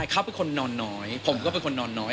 เขาเป็นคนนอนน้อยผมก็เป็นคนนอนน้อย